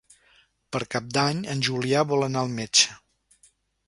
Per Cap d'Any en Julià vol anar al metge.